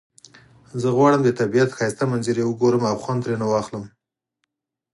زه غواړم چې د طبیعت ښایسته منظری وګورم او خوند ترینه واخلم